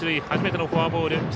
初めてのフォアボール